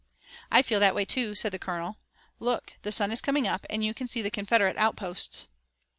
"I feel that way, too," said the colonel. "Look, the sun is coming up, and you can see the Confederate outposts."